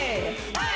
はい！